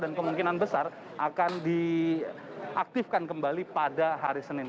dan kemungkinan besar akan diaktifkan kembali pada hari senin